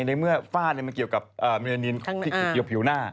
ในเมื่อฟาดมันเกี่ยวกับเมียนินที่เกี่ยวผิวหน้า